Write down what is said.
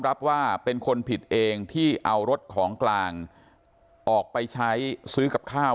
รับว่าเป็นคนผิดเองที่เอารถของกลางออกไปใช้ซื้อกับข้าว